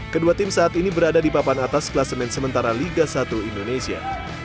kedua tim saat ini berada di papan atas kelas men sementara liga satu indonesia